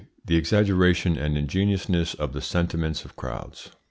THE EXAGGERATION AND INGENUOUSNESS OF THE SENTIMENTS OF CROWDS.